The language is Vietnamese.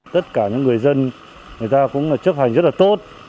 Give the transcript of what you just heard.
tất cả những người dân người ta cũng chấp hành rất là tốt